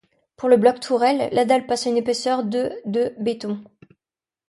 Pour le bloc-tourelle, la dalle passe à une épaisseur de de béton.